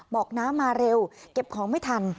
บอกน้ำมาเร็วเก็บของไม่ทัน